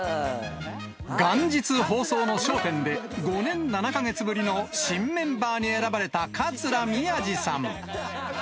元日放送の笑点で、５年７か月ぶりの新メンバーに選ばれた桂宮治さん。